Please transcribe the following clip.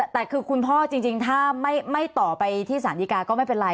แต่คือคุณพ่อจริงถ้าไม่ต่อไปที่สารดีกาก็ไม่เป็นไร